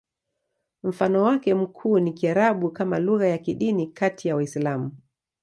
Mfano wake mkuu ni Kiarabu kama lugha ya kidini kati ya Waislamu.